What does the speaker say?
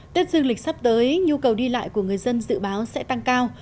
tết dương lịch sắp tới nhu cầu đi lại của người dân dự báo sẽ tăng cao